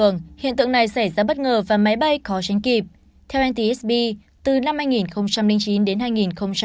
hiện tượng này xảy ra bất ngờ và máy bay khó tránh kịp theo ntsb từ năm hai nghìn chín đến hai nghìn một mươi